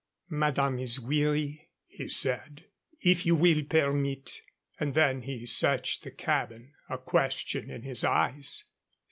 "Madame is weary?" he said. "If you will permit " And then he searched the cabin, a question in his eyes.